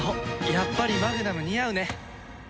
やっぱりマグナム似合うね。